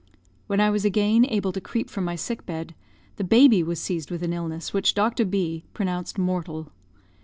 When I was again able to creep from my sick bed, the baby was seized with an illness, which Dr. B pronounced mortal.